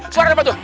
suara apa tuh